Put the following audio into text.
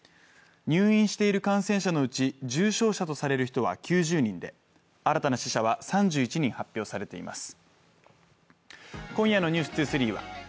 入院している感染者のうち重症者とされる人は９０人で、新たな死者は３１人発表されています。